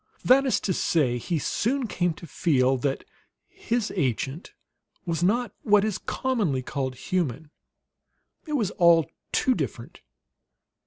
That is to say, he soon came to feel that his agent was not what is commonly called human. It was all too different.